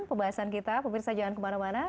pemirsa jangan kemana mana